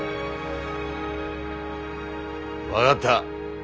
分かった。